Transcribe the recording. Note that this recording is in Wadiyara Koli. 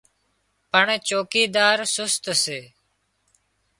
پڻ چوڪيدار سست سي